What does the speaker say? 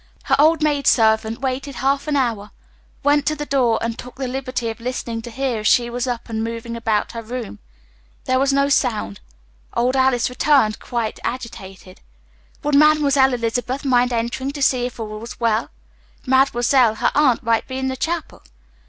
Her old maid servant waited half an hour went to her door, and took the liberty of listening to hear if she was up and moving about her room. There was no sound. Old Alice returned, looking quite agitated. "Would Mademoiselle Elizabeth mind entering to see if all was well? Mademoiselle her aunt might be in the chapel."